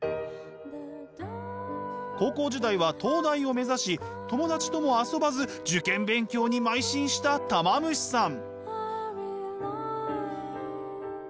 高校時代は東大を目指し友達とも遊ばず受験勉強に邁進したたま虫さん。